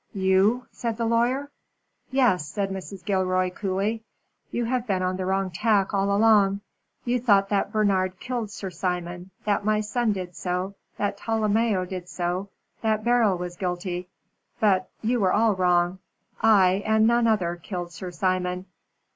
"You?" said the lawyer. "Yes," said Mrs. Gilroy, coolly. "You have been on the wrong tack all along. You thought that Bernard killed Sir Simon that my son did so that Tolomeo did so that Beryl was guilty. But you were all wrong. I, and none other, killed Sir Simon."